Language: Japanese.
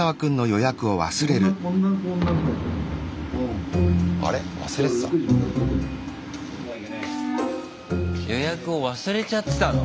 予約を忘れちゃってたの？